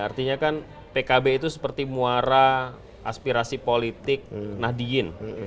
artinya kan pkb itu seperti muara aspirasi politik nahdiyin